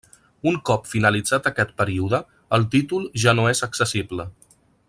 Un cop finalitzat aquest període, el títol ja no és accessible.